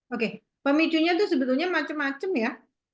oke pemicunya tuh sebetulnya macem macem ya